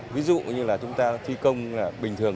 ví dụ như là chúng ta thi công là bình thường